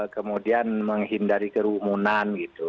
kemudian menghindari kerumunan gitu